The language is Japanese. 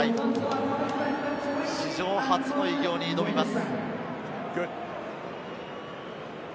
史上初の偉業に挑みます。